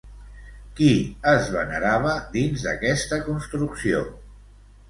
Qui es venerava dins d'aquesta construcció?